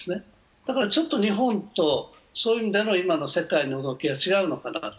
だからちょっと日本と、そういう意味での今の世界の動きは違うのかなと。